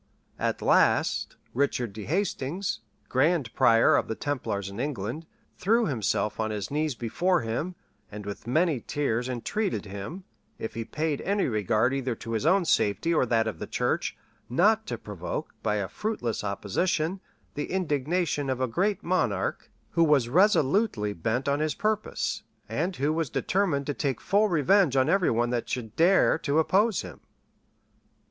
At last, Richard de Hastings, grand prior of the templars in England, threw himself on his knees before him, and with many tears entreated him, if he paid any regard either to his own safety or that of the church, not to provoke, by a fruitless opposition, the indignation of a great monarch, who was resolutely bent on his purpose, and who was determined to take full revenge on every one that should dare to oppose him.